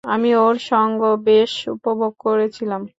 আমি ওর সঙ্গ বেশ উপভোগ করেছিলাম।